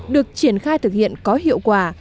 được triển khai thực hiện có hiệu quả